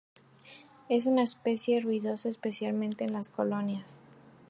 Es una especie ruidosa, especialmente en las colonias.